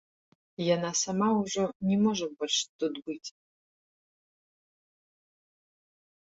Яна сама ўжо не можа больш тут быць.